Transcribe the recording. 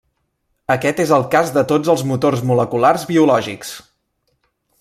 Aquest és el cas de tots els motors moleculars biològics.